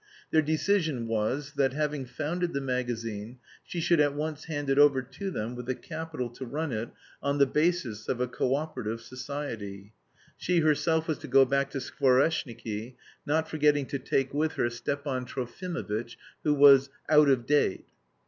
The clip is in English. Their decision was that, having founded the magazine, she should at once hand it over to them with the capital to run it, on the basis of a co operative society. She herself was to go back to Skvoreshniki, not forgetting to take with her Stepan Trofimovitch, who was "out of date."